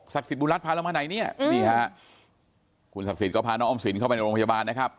สิทธิบุญรัฐพาเรามาไหนเนี่ยนี่ฮะคุณศักดิ์สิทธิ์ก็พาน้องออมสินเข้าไปในโรงพยาบาลนะครับ